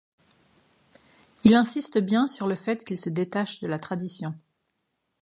Il insiste bien sur le fait qu’il se détache de la tradition.